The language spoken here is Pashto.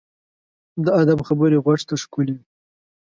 د ادب خبرې غوږ ته ښکلي وي.